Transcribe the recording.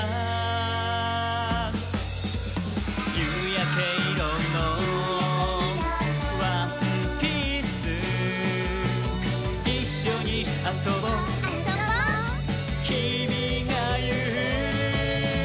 「ゆうやけいろのワンピース」「いっしょにあそぼ」「あそぼ」「きみがいう」